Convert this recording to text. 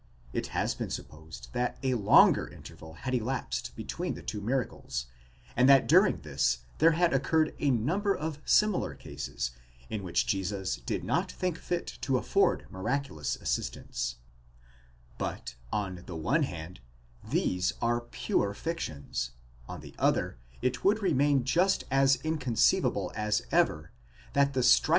It has been supposed that a longer interval had elapsed between the two miracles, and that during this there had occurred a number of similar cases, in which Jesus did not think fit to afford miraculous assistance : 9 but, on the one hand, these are pure fictions; on the other, it would remain just as inconceivable as ever, that the striking similarity of the circumstances 1 Olshausen, I, 5.